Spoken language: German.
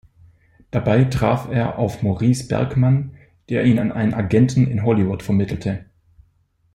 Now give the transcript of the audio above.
Dabei traf er auf Maurice Bergman, der ihn an einen Agenten in Hollywood vermittelte.